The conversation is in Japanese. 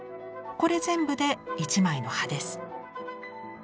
これ全部で１枚の葉です。